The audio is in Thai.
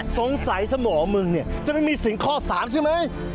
สงสัยสมองมึงจะไม่มีสิ่งข้อ๓ใช่ไหม